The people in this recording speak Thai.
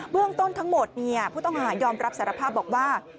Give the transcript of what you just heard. เรื่องต้นทั้งหมดผู้ต้องหายอมรับสารภาพบอกว่า